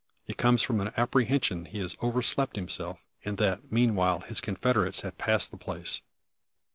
It comes from an apprehension he has overslept himself, and that, meanwhile, his confederates have passed the place.